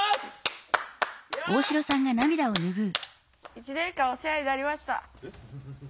１年間お世話になりました。